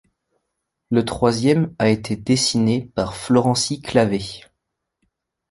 Le troisième a été dessiné par Florenci Clavé.